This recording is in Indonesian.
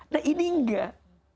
nah ini enggak